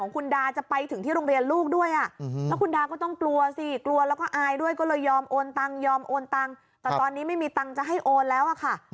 แต่ตอนนี้ไม่มีตังค์จะให้โอนแล้วค่ะ